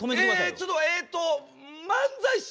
ちょっとえっと漫才師？